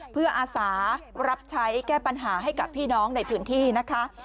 เพื่ออาสารับใช้แก้ปัญหาให้กับพี่น้องในพื้นที่นะคะ